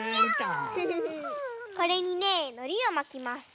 これにねのりをまきます。